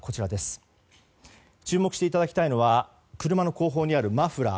注目していただきたいのは車の後方にあるマフラー。